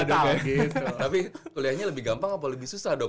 tapi kuliahnya lebih gampang apa lebih susah dok